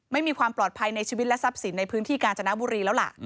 ไม่มีความปลอดภัยในชีวิตและทรัพย์สินในพื้นที่กาญจนบุรีแล้วล่ะ